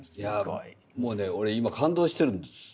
いやもうね俺今感動してるんです。